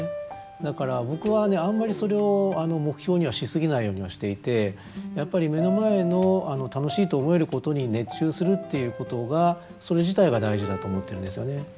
だから僕はねあんまりそれを目標にはしすぎないようにはしていてやっぱり目の前の楽しいと思えることに熱中するっていうことがそれ自体が大事だと思ってるんですよね。